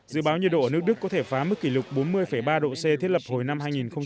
dự báo nhiệt độ ở nước đức có thể phá mức kỷ lục bốn mươi ba độ c thiết lập hồi năm hai nghìn hai mươi